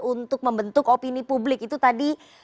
untuk membentuk opini publik itu tadi